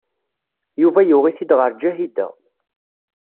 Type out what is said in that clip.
Yuba yuɣ-it-id ɣer Ǧahida.